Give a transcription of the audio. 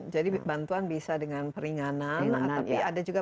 jadi bantuan bisa dengan peringanan tapi ada juga